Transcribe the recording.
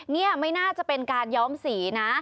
นี่ไม่น่าจะเป็นการย้อมสีนะ